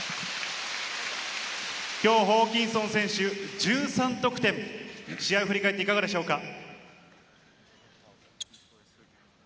きょうホーキンソン選手は１３得点、試合を振り返っていかがでしょうか？